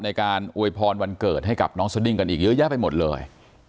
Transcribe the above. ในการอวยพรวันเกิดให้กับน้องสดิ้งกันอีกเยอะแยะไปหมดเลย